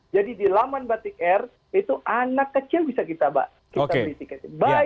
jadi di laman batik air itu anak kecil bisa kita beritik bitik